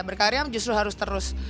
berkarya justru harus terus